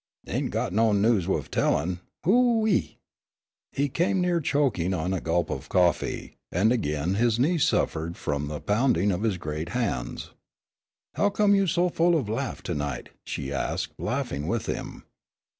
"Ain' go no news wuff tellin'! Who ee!" He came near choking on a gulp of coffee, and again his knee suffered from the pounding of his great hands. "Huccume you so full of laugh to night?" she asked, laughing with him.